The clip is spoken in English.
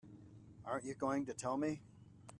Aren't you going to tell me?